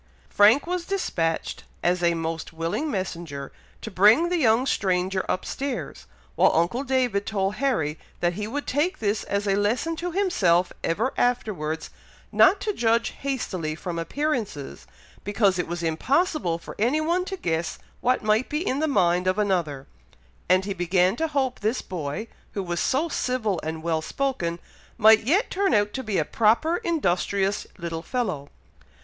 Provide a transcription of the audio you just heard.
Frank was despatched, as a most willing messenger, to bring the young stranger up stairs, while uncle David told Harry that he would take this as a lesson to himself ever afterwards, not to judge hastily from appearances, because it was impossible for any one to guess what might be in the mind of another; and he began to hope this boy, who was so civil and well spoken, might yet turn out to be a proper, industrious little fellow.